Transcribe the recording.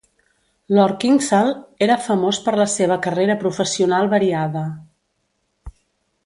Lord Kingsale era famós per la seva carrera professional variada.